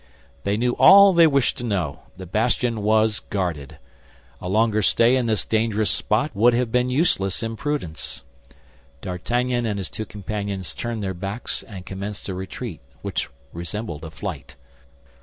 They knew all they wished to know; the bastion was guarded. A longer stay in this dangerous spot would have been useless imprudence. D'Artagnan and his two companions turned their backs, and commenced a retreat which resembled a flight.